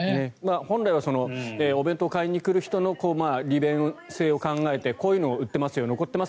本来はお弁当を買いに来る人の利便性を考えてこういうのを売ってますよ残っています